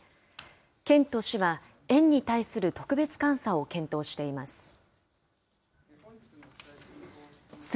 県と市は園に対する特別監査を検討しています。